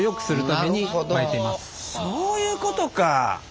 そういうことか！